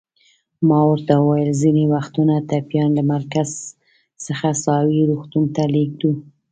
ما ورته وویل: ځینې وختونه ټپیان له مرکز څخه ساحوي روغتون ته لېږدوو.